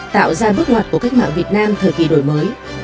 tạo ra bước ngoặt của cách mạng việt nam thời kỳ đổi mới